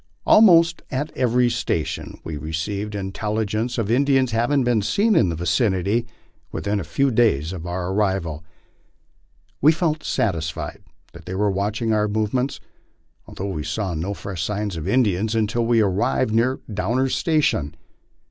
Almost at every station we received intelligence of In dians having been seen in the vicinity within a few days of our arrival. We felt satisfied they were watching our movements, although we saw no fresh signs of Indians until we arrived near Downer's station.